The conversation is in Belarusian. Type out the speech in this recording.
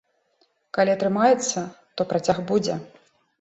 Калі атрымаецца, то працяг будзе.